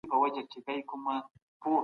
بې طرفي د یو عالم لپاره وقار دی.